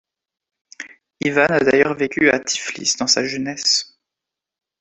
Ivan a d'ailleurs vécu à Tiflis dans sa jeunesse.